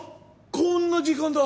こんな時間だ！